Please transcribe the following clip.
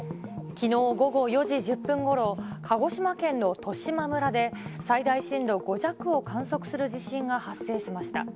きのう午後４時１０分ごろ、鹿児島県の十島村で、最大震度５弱を観測する地震が発生しました。